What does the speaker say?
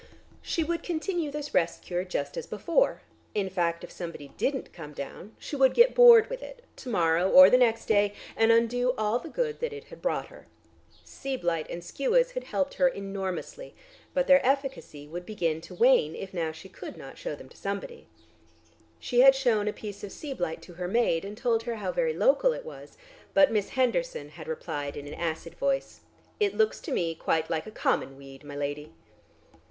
She would continue this rest cure just as before; in fact, if somebody didn't come down she would get bored with it to morrow or the next day, and undo all the good that it had brought her. Sea blite and skuas had helped her enormously, but their efficacy would begin to wane if now she could not shew them to somebody. She had shewn a piece of sea blite to her maid, and told her how very local it was, but Miss Henderson had replied in an acid voice, "It looks to me quite like a common weed, my lady...."